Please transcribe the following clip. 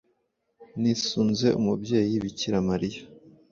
nisunze umubyeyi bikira mariya